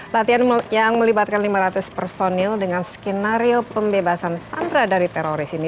latihan yang melibatkan lima ratus personil dengan skenario pembebasan sandera dari teroris ini